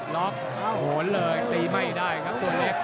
ล็อกโหนเลยตีไม่ได้ครับตัวเล็ก